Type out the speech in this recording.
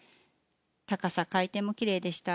高さ、回転もきれいでした。